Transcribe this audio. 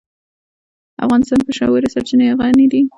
افغانستان په ژورې سرچینې غني دی.